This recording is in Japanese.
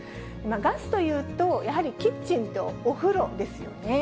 ガスというと、やはりキッチンとお風呂ですよね。